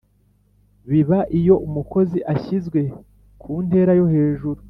biba iyo umukozi ashyizwe ku ntera yo hejuru